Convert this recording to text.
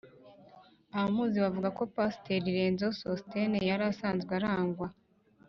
Abamuzi bavuga ko Pasiteri Renzaho Sost ne yari asanzwe arangwa